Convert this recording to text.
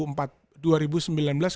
kebetulan kita ketemu thailand itu